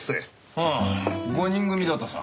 ああ５人組だとさ。